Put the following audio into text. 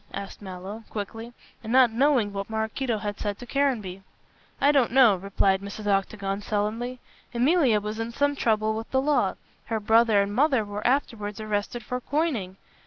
asked Mallow, quickly, and not knowing what Maraquito had said to Caranby. "I don't know," replied Mrs. Octagon, sullenly, "Emilia was in some trouble with the law. Her brother and mother were afterwards arrested for coining.